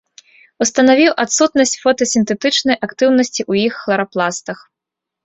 Устанавіў адсутнасць фотасінтэтычнай актыўнасці ў іх хларапластах.